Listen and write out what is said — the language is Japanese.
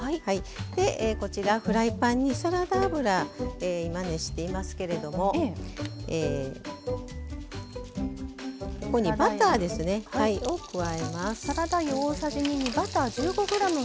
でこちらフライパンにサラダ油今熱していますけれどもえここにバターですねを加えます。